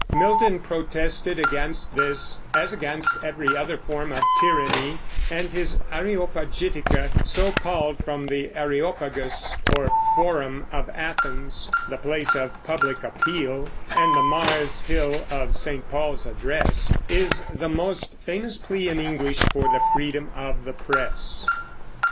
Milton protested against this, as against every other form of tyranny, and his Areopagitica so called from the Areopagus or Forum of Athens, the place of public appeal, and the Mars Hill of St. Paul's address is the most famous plea in English for the freedom of the press.